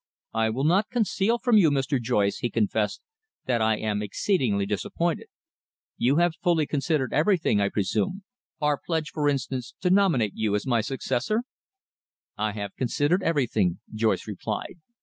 "I will not conceal from you, Mr. Joyce," he confessed, "that I am exceedingly disappointed. You have fully considered everything, I presume our pledge, for instance, to nominate you as my successor?" "I have considered everything," Joyce replied.